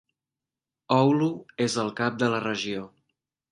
Oulu és el cap de la regió.